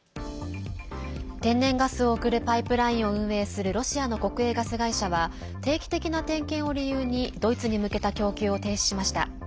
天然ガスを送るパイプラインを運営するロシアの国営ガス会社は定期的な点検を理由にドイツに向けた供給を停止しました。